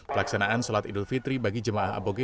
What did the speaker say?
pelaksanaan sholat idul fitri bagi jemaah aboge